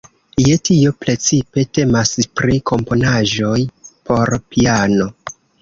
Je tio precipe temas pri komponaĵoj por piano.